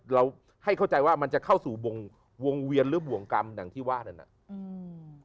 เราให้เข้าใจว่ามันจะเข้าสู่วงเวียนหรือบ่วงกรรมอย่างที่ว่านั่นน่ะอืม